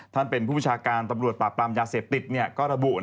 ท่านเป็นผู้ประชาการตำรวจปราบปรามยาเสพติดก็ระบุ